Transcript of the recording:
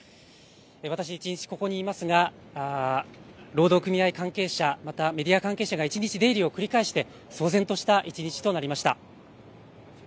私一日ここにいますが、労働組合関係者またメディア関係者が一日出入りを繰り返して騒然とした一日となりました。